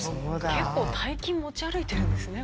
結構大金持ち歩いてるんですね。